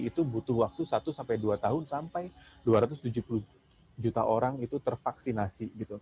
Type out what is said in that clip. itu butuh waktu satu sampai dua tahun sampai dua ratus tujuh puluh juta orang itu tervaksinasi